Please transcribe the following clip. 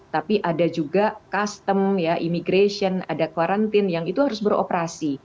tapi ada juga custom ya imigration ada quarantine yang itu harus beroperasi